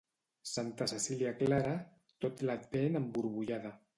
Santa Cecília clara, tot l'Advent emborbollada.